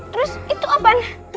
terus itu apaan